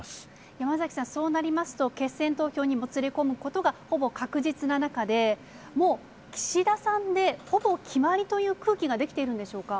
山崎さん、そうなりますと、決選投票にもつれ込むことがほぼ確実な中で、もう岸田さんでほぼ決まりという空気が出来ているんでしょうか？